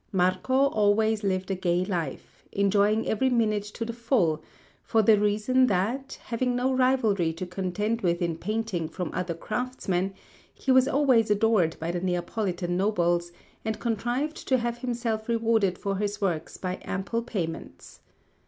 Marco always lived a gay life, enjoying every minute to the full, for the reason that, having no rivalry to contend with in painting from other craftsmen, he was always adored by the Neapolitan nobles, and contrived to have himself rewarded for his works by ample payments.